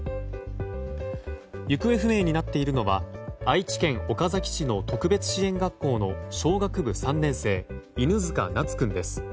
行方不明になっているのは愛知県岡崎市の特別支援学校の小学部３年生、犬塚名都君です。